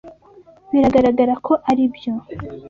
Biragaragara ko aribyo.